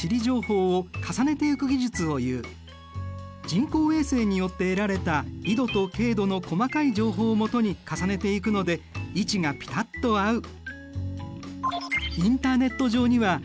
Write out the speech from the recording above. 人工衛星によって得られた緯度と経度の細かい情報をもとに重ねていくので位置がピタッと合う。